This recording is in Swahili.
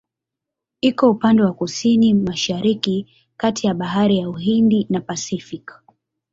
Iko upande wa Kusini-Mashariki kati ya Bahari ya Uhindi na Pasifiki.